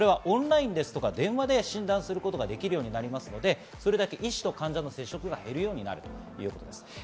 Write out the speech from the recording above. オンライン、電話で診断することができるようになるので、それだけ医師と患者の接触が減るようになるということです。